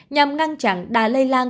nhằm ngăn chặn đà lây lan